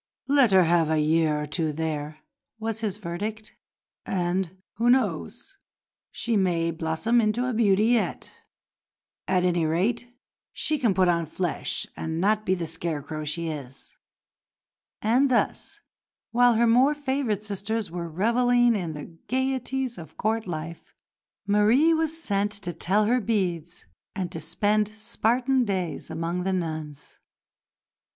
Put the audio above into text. "Let her have a year or two there," was his verdict, "and, who knows, she may blossom into a beauty yet. At any rate she can put on flesh and not be the scarecrow she is." And thus, while her more favoured sisters were revelling in the gaieties of Court life, Marie was sent to tell her beads and to spend Spartan days among the nuns.